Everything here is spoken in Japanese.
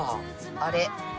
あれ？